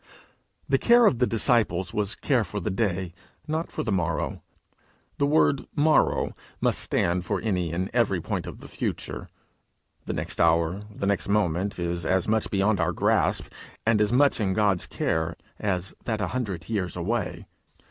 The care of the disciples was care for the day, not for the morrow; the word morrow must stand for any and every point of the future. The next hour, the next moment, is as much beyond our grasp and as much in God's care, as that a hundred years away.